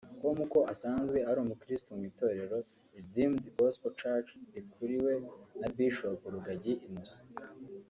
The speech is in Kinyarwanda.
com ko asanzwe ari umukristo mu itorero Redeemed Gospel church rikuriwe na Bishop Rugagi Innocent